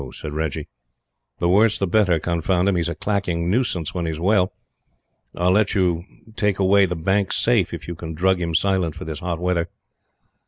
said Reggie "The worse the better, confound him! He's a clacking nuisance when he's well. I'll let you take away the Bank Safe if you can drug him silent for this hot weather."